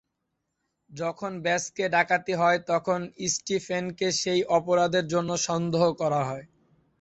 যখন ব্যাঙ্কে ডাকাতি হয়, তখন স্টিফেনকে সেই অপরাধের জন্য সন্দেহ করা হয়।